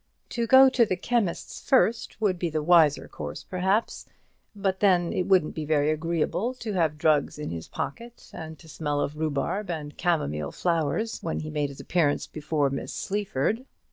To go to the chemist's first would be the wiser course, perhaps; but then it wouldn't be very agreeable to have drugs in his pocket, and to smell of rhubarb and camomile flowers when he made his appearance before Miss Sleaford.